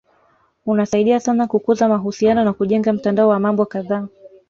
Unasaidia sana kukuza mahusiano na kujenga mtandao wa mambo kadhaa